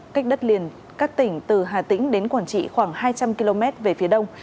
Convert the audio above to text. cách đất liền các tỉnh từ hà tĩnh đến quảng trị khoảng hai trăm linh km về phía đông